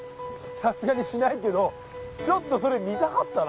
さすがにしないけどちょっとそれ見たかったな。